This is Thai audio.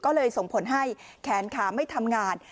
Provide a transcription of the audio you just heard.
ก็เลยส่งผลให้แขนขาไม่ทำงาน